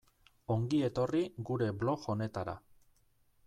Ongi etorri gure blog honetara.